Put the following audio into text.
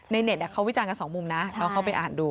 เน็ตเขาวิจารณ์กันสองมุมนะลองเข้าไปอ่านดู